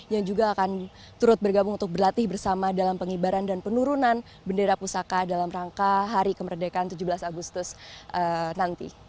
yang juga akan turut bergabung untuk berlatih bersama dalam pengibaran dan penurunan bendera pusaka dalam rangka hari kemerdekaan tujuh belas agustus nanti